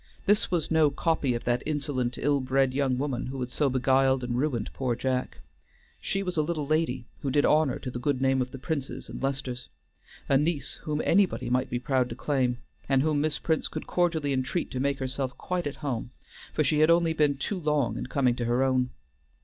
This was no copy of that insolent, ill bred young woman who had so beguiled and ruined poor Jack; she was a little lady, who did honor to the good name of the Princes and Lesters, a niece whom anybody might be proud to claim, and whom Miss Prince could cordially entreat to make herself quite at home, for she had only been too long in coming to her own.